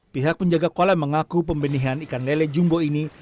pihak penjaga kolam mengaku pembenihan ikan lele jumbo ini